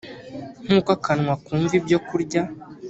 nk’uko akanwa kumva ibyokurya